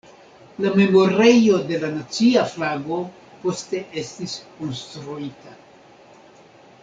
La Memorejo de la Nacia Flago poste estis konstruita.